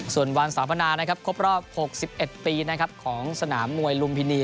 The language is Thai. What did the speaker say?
ส่วนวัลสาธารณาครบรอบสองสิบเอ็ดปีของสนามมวยลุมพินี